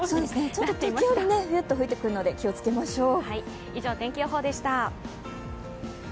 ちょっと時折びゅーっと吹いてくるので、気をつけましょう。